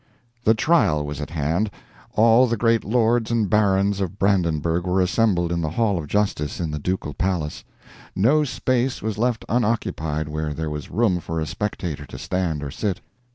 The trial was at hand. All the great lords and barons of Brandenburgh were assembled in the Hall of Justice in the ducal palace. No space was left unoccupied where there was room for a spectator to stand or sit.